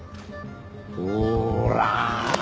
ほら！